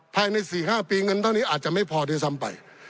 ภายใน๔๕ปีเงินเท่านี้อาจจะไม่พอด้วยซ้ำไป